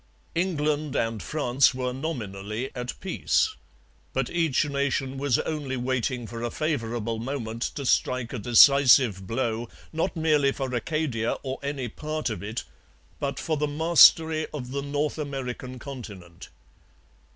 England and France were nominally at peace. But each nation was only waiting for a favourable moment to strike a decisive blow, not merely for Acadia or any part of it, but for the mastery of the North American continent.